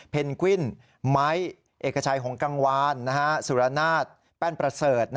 กวินไม้เอกชัยหงกังวานสุรนาศแป้นประเสริฐ